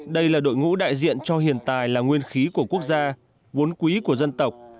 đây là đội ngũ đại diện cho hiện tài là nguyên khí của quốc gia vốn quý của dân tộc